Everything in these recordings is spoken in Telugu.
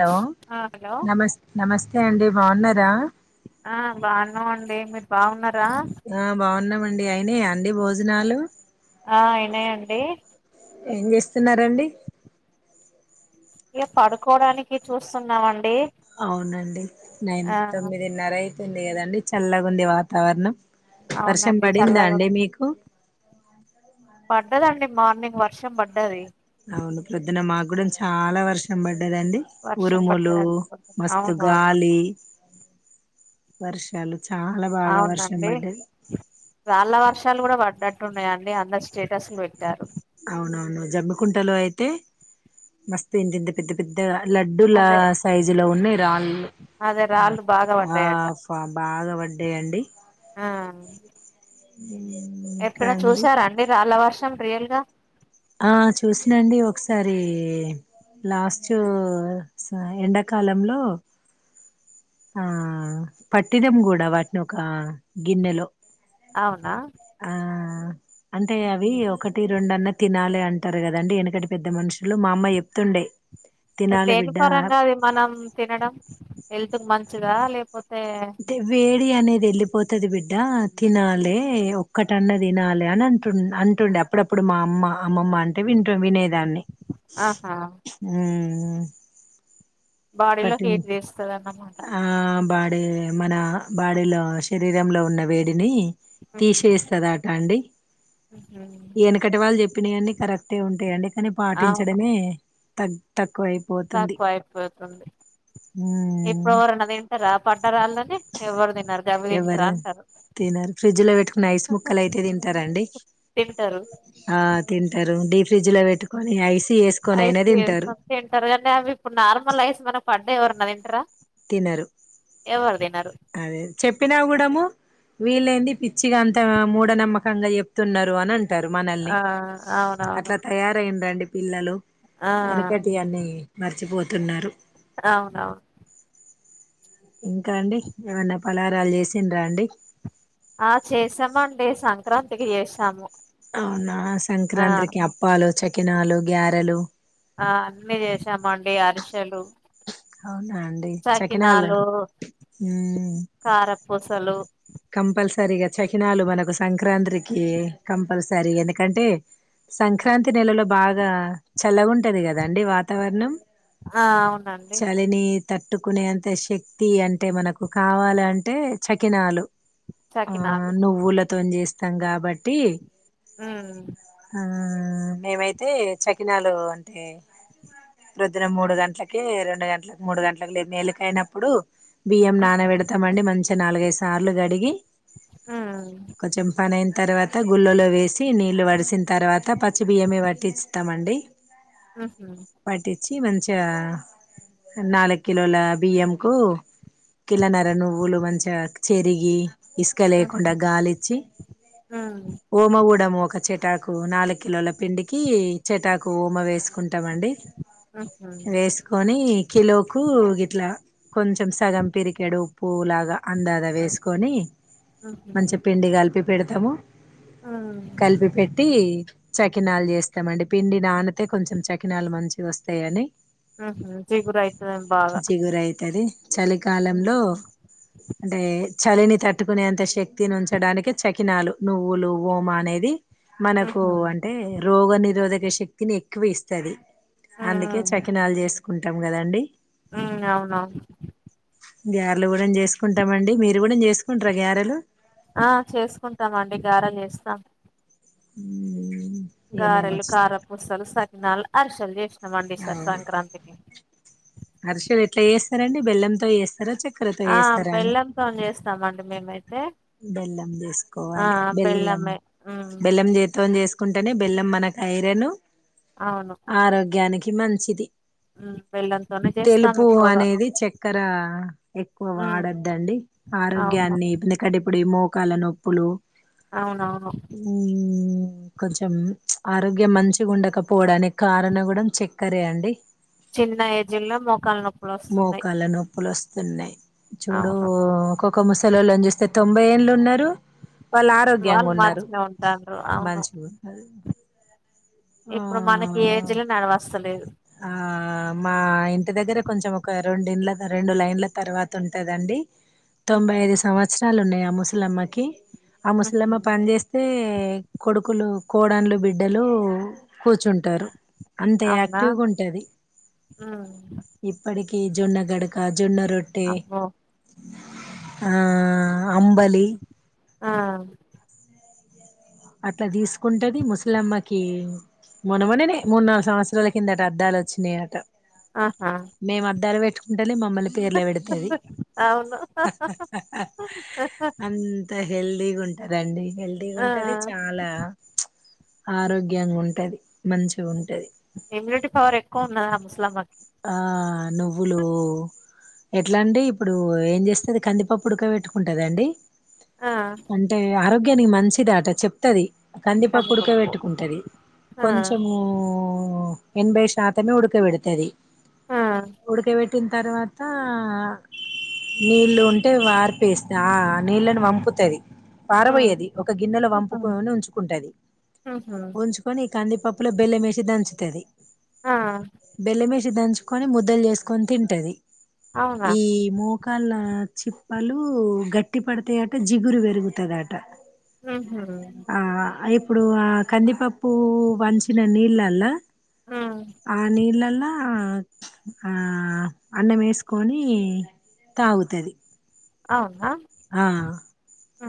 హలో ఆ హలో నమస్ నమస్తే అండి బాగున్నారా ఆ బాగున్నామండి మీరు బాగున్నార్ ఆ బావున్నామన్ డి అయినా అండి భోజనాలు ఆ అయినాయండి ఏం చేస్తున్నారండి ఇగ పడుకోడానికి చూస్తున్నామండి అవునండి నైన్ ఆ తొమ్మిదిన్నరై డంది కదండి చల్లగా ఉంది వాతావరణం వర్షం అవునండి పడిందా చల్లగా అండి ఉంది. మీకు అ పడ్డదండి మార్నింగ్ వర్షం పడ్డది అవును ప్రజ్ఞమా కూడా చాలా వర్షం పడ్ంది ఉదండి వర్షం ఉరుములు పడ్డదండి మస్తు అవును గాలి వర్షాలు చాలా బాగా వర్షం అవునండి పడ్డది చళ్ళ వర్షం ాలు కూడా పడ్నట్టున్నాయండి అందరు స్టేటస్లు పెట్టారు అవునవును జమ్ముకుంటలో అయితే మస్త్ ఇంత పెద్ద పెద్దగా లడ్డూల అదే సైజు లో ఉన్నాయి అదే రాళ్ళు బాగా ఆ పడ్డాయట బాగా పడ్డాయండి ఇంకా ఎప్పుడ అండి చూసారంండి రాళ్ళ వర్షం ప్రియల్గా ఆ చూసినండి ఒకసారి లాస్ట్ ఎండాకాలంలో ఆ పట్టిదం కూడా వాటిని ఒక గిన్నెలో అవునా అ అంటే ఉహు. అవి ఒకటి రెండు అన్న తినాలి అంటారు కదండి వెనకటి పెద్ద మనుషులు మా అమ్మ చెప్తుండే తినాలి దేని బిడ్డ పరంగా అది మనం తినడం హెల్ హెల్త్ కు మంచిదా లేకపో అంటే వేడి అనేది ఎలి పోతది బిడ్డ తినాలి ఒక్కటన్న తినాలి అని, అంటు అంటుండే అప్పుడప్పుడు మా అమ్మ అమ్మమ్మ అంటే వింట వినేది దాని ఆహా హు మ్ బాడీలో హీట్ వేస్తుందిన్నమాట అంటే మన బాడీలో శరీరంలో ఉన్న వేడిని తీసేస్తదా ఆట అండి వెనుకటి వాళ్ళు చె చేపిన అన్ని కరెక్టే ఉంటాయండి అని అవును పాటించడమే తగ తక్ తక్కువ అయిపోతుంది ఇప్పుడు హ్మ్. ఎవరన్నా తింటరా పట్టరా అలా అని తినరు గవి తింటారా ఎవరు అంటారు తినరు ఫ్రిడ్జ్ లో పెట్టుకున్న ఐస్ ముక్కలయితే తింటార అండి తింటారు ఆ తింటారు డీ ఫ్రిడ్జ్ లో పెట్టుకొని ఐస్ ఐస్ ది ఏసుకొని తింటారు కానీ అవి ఇప్పుడు నార్మల్ ఐస్ మన ప దె ఎవరన్నా తింటరా తినరు ఎవరు తినరు అదే చెప్పినా గుడము వీలైంది పిచ్చిగా అంత మూఢనమ్మకంగా చెప్తున్నరు అని అంట అంటారు మానల్ని ఆ అవునవును అట్ల తయారయి రండి పిల్లలు ఆ ఎనికటి అన్నియు మరిచపోతు తున్నారు అవునవున్ ఇంకా అండి ఏమన్నప్ పలారాలు చేసిండ్ర అండి ఆ చేసామండి సంక్రాంతికి చేసాము అవున ఆ సంక్రాంత్రికి అప్పాలు చక్క కినాలు గ్యారెలు ఆ అన్నిీ చేసామండి అరిసెలు అవునా అండి చకినాలు కారపూసలు కంపల్సరీగా చకినాలు మనకు సంక్రాంత్రికి కంపల్సరీ ఎందుకంటే సంక్రాంతి నెలలో బాగా చల్లగ ఉంటది కదాండి వాతావరణం ఆ అవునండి చలిని తట్టుకునేంత శక్తి అంటే మనకు కావాల అంటే చకినాలు ఆ సకినాలు నువ్వుల తోన్ చేస్త ఇష్టం కాబట్టి ఉమ్ ఉ మేమైతే చకినాలు అంటే రొద్దున మూడు గంటలకి రెండు గంటలకి మూడు గంటలకు లేదు మేలికయినప్పుడు బియ్యం నాన మ్హు పెడతాంమండి మంచి ఇక నాలుగై సార్లు గడి డిగి మ్మ్ ఒక చెెంపనైన తర్వాత గుళ్ళలో వేసి నీళ్ళు వడిసిన తర్వాత పచ్చి బియ్యమే పట్టి ఇస్తామండి మ్హు పట్టించి మంచి నాలుక్ కిలోల బియ్యంకు కిల నర నువ్వులు మంచిగ చెరిగి ఇసుక మ్హు లేకుండా గాలిచ్చి మ్మ్ ఓమ కూడ నం చె వ మ్హు వ ఇట్లా కొంచెం సగం పరికాడు ఉప్పు లాగా అందాదా వేసుకు కానీ మంచి మ్హు పిండి గలి చెప్పి పెడతాము మ్మ్ కలిపి పెట్టి చకినాలు చేస్తామండి పిండి నానతే కొంచెం చకినాలు మంచి వస్తాయని ఉ చిగుర అయితుందం బాగా జిగురు అయితది చలికాలంలో అంటే చలిని తట్టుకునేంత శక్తిని ఉంచడానికి చకినాలు నువ్వులు ఓమా అనేది మనకు మ్హు అంటే రోగ నిరోధక శక్తిని ఎక్కువ ఇస్తుంది అందుకే చకినాలు చేసుకుంటా ఇాం కదండి ఉ అవునవును గ్యార్లు కూడా చేసుకుంటామండి మీరు ఇ కూడా చేసుకుంటార గారెలు ఆ చేసుకుంటామ అండి గారా చేస్తాం ఉ గారెలు ఖార పూసలు సకినాలు అరిశెలు జష్ నమండిసర్ సంక్రాంతికి అర్షలు ఎట్లా చేస్తారండి బెల్లంంతో చేస్తారు ఆ బెల్లంతో చేస్తామండి మేమైతే బెల్లం ఆ చేసుకోవాలి బెల్లం బెల్లమే మ్మ్ బెల్లం జీతం చేసుకోాల కుంటేనే బెల్లం మనకు ఐరను అవును ఆరోగ్యానికి ఇ మంచిది మ్మ్ బెల్లంతోనే చేస్తాం తెలుపు ఎక్కువగా అనేది చక్కెర ఎక్కువ మ్మ్ వాడద్దండి అవును ఆరోగ్యాన్ని అడప్పుడు ఈ మోకాల నొప్పులు అవునవును మ్ కొంచెం ఆరోగ్యం మంచిగా ఉండకపోవడానికి కారణం కూడా చక్కరే అండి. చిన్న ఏజ్ లో మోకాలు నో మోకళ్ల నొప్పులు వస్తున్నాయి చూడు అవును ఒక్కొక్క ముస్ సలలుని చూస్తే తొంభై ఏళ్లు ఉన్నారు వాళ్ళు ఆరోగ్యంగా వాళ్ళు ఉన్నారు మంచినే ఉంటాండ్రు అవును మంచి ఇప్పుడు మనకి ఏజ్లో నడవస్తలేదు ఆ మా ఇంటి దగ్గర కొంచెం ఒక రెండుంల రెండు లైన్ల తర్వాత ఉంటదండి తొంభై ఉహు యిదు సంవత్సరాలు ఉన్నాయా ము ఇలమ్మకి ఆ ఉహు ముసలమ్మ పని చేేస్తే కొడుకు హక్కులు కోడళ్లు బిడ్డలు కూర్చుంటారు అంత అవునా యాక్టివ్గా ఉంటుంది ఉమ్ అక్కటికి జొన్న గడక జొన్న రొట్టటి అబ్బో ఆ అంబలి ఆ అట్లా తీసుకుంటది ముసలమ్మకి మనమననే మూడు నాలుగు సంవత్సరాల కింద అట అద్దాలు వచ్చినాయిట ఆహా మే మాద్దాలు వె ఉండాలె మ మల్లా తెరల పెడుతుంది అవును అంత హెల్తీ లీగా ఉంటదండి హల్దిీగా ఆ ఉంటది చాలా ఆరోగ్యంగా ఉంటది మంచిగా ఉంటు ఇమ్యూనిటీ పవర్ ఎక్కువ ఉందా అలామ నువ్వులు ఎట్లా అండి ఇప్పుడు ఏం చేస్తంది కందిప పుడక పెట్టుకుంటుందండి ఆ అంటే ఆరోగ్య కాని మంచిదాట చెప్తది కంది పప్పు ఉడక కందిపప్పు పెట్టుకుంటుంది ఆ కొంచెము ఎనభై శాతమే ఉడుకు వితది ఆ కుడక బెట్ట పుట్టిన తర్వాత నీళ్ళు ఉంటే వారిపేస్తంది ఆ నీళ్ళని పంపుతుంది ఆ పారబోయేది ఒక గిన్నెలో ఉహు వంపుకని ఉంచుకుంటది ఉహు ఉంచుకొని ఈ కందిపప్పులో బెల్లం వేసి దంచు ఇత్యది ఆ బేలేమే ి దంచుకొని ముద్దలు చేసుకొని తింటది అవునా ఈ మకాలా చిప్పలు గట్టి పడతాయట జిగురు పెరుగుతదట ఉహు ఆ అ ఇ ఇప్పుడు ఆ కందిపప్పు వంచిన నీళ్ళల్లా ఉ ఆ నీళ్లలా ఆ ఆ అన్నం వేసుకొని తాగుతది ఆ ఆ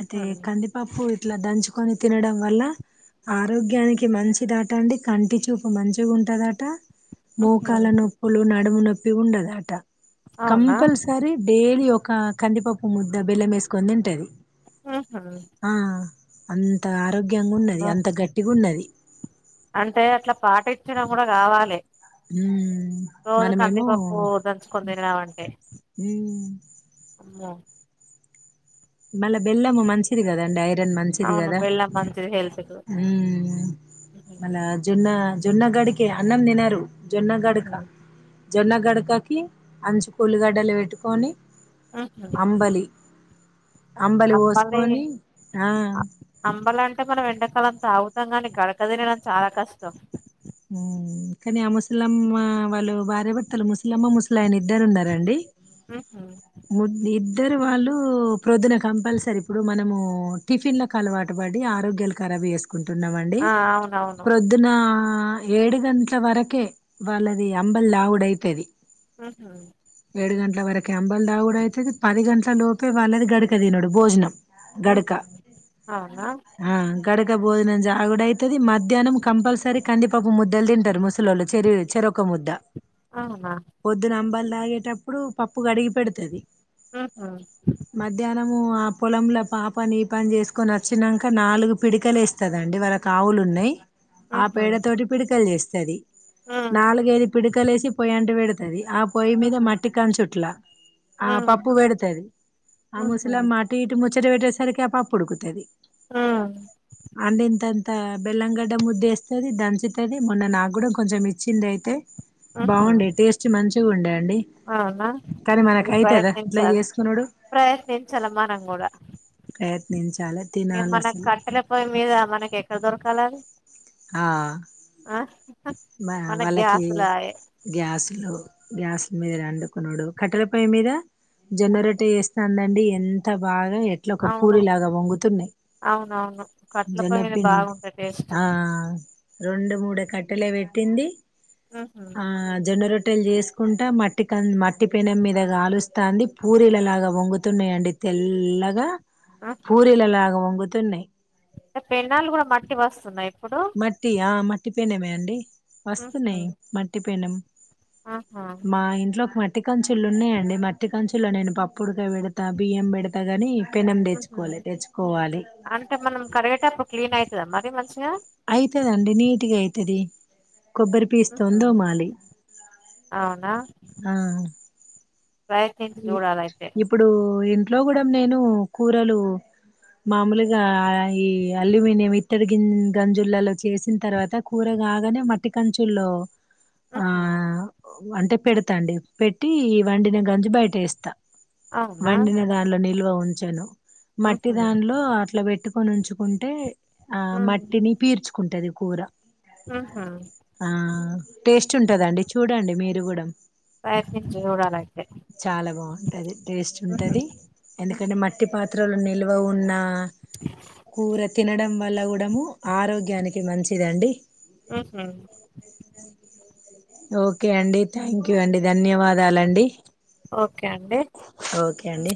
అదే కందిపప్పు ఇట్లా దంచుకొని తినడం వల్ల ఆరోగ్యానికి మంచిదట అండి, కంటి చూపు మంచిగా ఉంటదట ఉహు మోకాల నొప్పులు న నడుము న్నొప్పిగా ఉండద ఆట అవునా కంపల్సర డైలీ ఒక కంపా పూముద్దు ద బెల్ల వేకని తింటది ఉహు ఆ అం త ఆరోగ్యంగ ఉన్నది అమ్మో అంత గట్టిగున్నది చ్చడం కూడా కావాలే ఉం మనమేమో దంచుకొని తినడం అంటే హు అమ్మో మళ్ళ బెల్లం మంచిది కద అండి ఐ రన్ మంచిది అవును కదా బెల్లం మంచిది హెల్త్ కు ఉ ఉహు మళ్ళ అ జున్ను జున్నగడికి అన్నం తినరు జొన్నగడుక ఉహు జొన్న గడకకి అంచు కూలిగడ్డలు వెట్టుకొని ఉహు. అంబలి అంబలి పోసుకొని ఆ అ అంబలి అంటే మనం ఎండాకాలం తాగుతం కానీ గడక తినడం చాలా కష్టం కాని ఆ ముసలమ్మ వాళ్ళు భార్య భర్తలు ముసలమ్మ ముసలాయన ఇద్దరు ఉన్నరండి ఉ ఇద్దరు వాళ్ళు ప్రొద్దున కంపల్సరీ ఇప్పుడు మనము ము టిఫిన్లకు అలవాటు పడి ఆరోగ్యాలు కారాబు చెస్ కుంటున్నమండి ఆ అవునవును ప్రొద్దున ఆ ఏడు గంటల వరకే వాళ్ళది అంబల్ తాగుడైతది ఆహా ఏడు గంటల వరకె అంబల్ తాగుడు అయితది పది గంట ట లోపే వాళ్ళది గడక తినుడు భోజనం హ గడక అవున ఆ గడక భోజనం జాగుడైతది మధ్యాహ్నం కంపల్సరీ కందిపప్పు ముద్దలు తింటరు ముసలోళ్ళు చెరి చెరోక ముద్ద అవునా పొద్దున అంబల్ అలాగే టప్పుడు పప్పు కడిగి పెడుతది ఉహు మధ్యాహ్నం మనము ఆ పొలంల పాపని ఈ పని చేసుకొని వచ్చినాక నాలుగు పిడికలు ఎస్తదండి వాళ్ళకు ఆవులు ఉన్నాయి ఆ ఉహు పేడ తోటి పిడకలు చేస్తా తది ఉ నాలుగైదు పిడుకలేసి పోయ అంటు పెడుతది ఆ పొయ్యి మీద ఉహు మ మట్టి కంచుట్ల ఆ ఉ పప్పు పెడుతది ఆ ఉహు ముసలమ్మ అటు ఇటు ము పచ్చట పెట్టేసరికి పాప పుడుకుతుది ఉ అందింత బ బెల్లంగడ్డ ముద్దేస్తది, దంచుతది మొన్న నాకు కూడా కొంచెం ఇచ్చిండే అయితే ఉహు బాగుండే టేస్ట్ మంచి చూ ఉండేయండి అవునా అది ఇట్లా ప్రయత్నించాల చేసుకునుడు ప్రయత్నించాలమ్మా మనం కూడా ప్రయత్నించాలి ఏ తినాలి మన అసలు కట్టెల పోయ మీద మనకి ఎక్కడ దొరక లి ఆ ఆ మా మనకు వాళ్ళకి గ్యాసులాయే గ్యాస్లు గ్యా అసలు మీద అండుకున్నాడు కట్టెలపై మీద జొన్నరట వేస్తుాందండి ఎంత బాగా ఎట్లా ఒక అవును పూరిలాగా వంగుతున్నాయి అవునవును కట్టెల పొయ్యి మీద జన్నపిం బాగుంటాయి టేస్ట్ ఆ రెండు మూడ కట్ టెలా పెట్టింది ఉహు ఆ జోనురోట్ రోట్టెలు చేసుకుంట మట్టి క మట్టి పెనెం మీదగాలుస్తంది పూరీలలాగా పాన్గుతున్నాయండి తెల్లగ పూరిలలా పొంగు తన్నయి పెన్నాలు కూడ మట్టి వస్తున్నాయి ఇప్పుడు మట్ట ఆ మట్టి పెనేమే అండి మస్త్ ఉహు ఉన్నాయ్ మట్టి పెనుం ఆహా మా ఇంట్లోకి మట్ మట్టి కంచులు ఉన్నాయండి మట్టి కంచుల్లో నేను పప్పుడక బెడతా బియ్యం పెడతా కానీ పెనం ఉహు తెచ్చుకోలేదు తెచ్చుకోవాలి అంటే మనం కడిగేటప్పుడు క్లీన్ అయితద మరి మ అయితదండి నీటి గయితది కొబ్బరి పీస్తోన్ ఉహు తోమాలి అవునా ఆ ప్రయత్నించి ఇ చూడాలయితే ఇప్పుడు ఇన్ ఇంట్లో కూడా నేను కూరలు మామూలుగా ఈ అల్యూమినియం ఇత్తడి గ గంజులలో చేసిన తర్వాత కూర కాగానే మట్టి కంచుల్లో ఆ ఆహా అంటే పెడతాండి పెట్టి వండిన గంజి బయటేస్తా అవునా వండిన దానిలో నిల్వ ఉన్ చను మట్టి ఉహు దానిలో అట్లా పెట్ ట్టుకొనించుకుంటే ఆ మట్టిని పీర్చుకుంటది కూర మ్మ్ హ్మ్ ఆ టేస్ట్ ఉంటదండి చూడండి మీరు కూడా ప్రయత్నించి చూడాల అయితే చాలా బాగుంటది టేస్ట్ ఉంటది ఎందుకంటే మట్టి పాత్రలు నె నిల్వ ఉన్నా కూర తినడం వ వల్ల కూడము ఆరోగ్యానికి మంచిదండి అహ్ ఓకే అండి థ్యాంక్ యూ అండి ధన్యవాదాలండి ఓ కే అండి ఓకే అండి